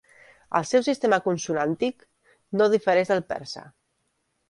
El seu sistema consonàntic no difereix del persa.